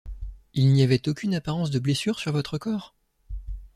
Il n’y avait aucune apparence de blessure sur votre corps?